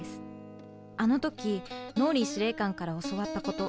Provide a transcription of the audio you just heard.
あの時ＲＯＬＬＹ司令官から教わったこと